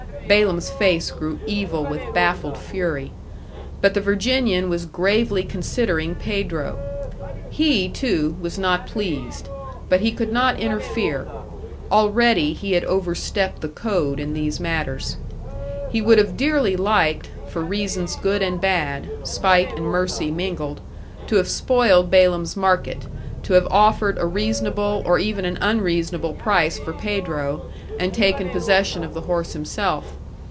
Balaam's face grew evil with baffled fury. But the Virginian was gravely considering Pedro. He, too, was not pleased. But he could not interfere. Already he had overstepped the code in these matters. He would have dearly liked for reasons good and bad, spite and mercy mingled to have spoiled Balaam's market, to have offered a reasonable or even an unreasonable price for Pedro, and taken possession of the horse himself.